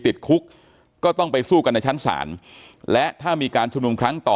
ติดคุกก็ต้องไปสู้กันในชั้นศาลและถ้ามีการชุมนุมครั้งต่อ